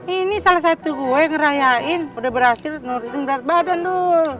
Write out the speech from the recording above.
ini salah satu gue ngerayain udah berhasil nurin berat badan dol